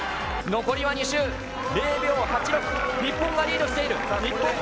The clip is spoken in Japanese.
残りは２周、０．８６、日本がリードしている。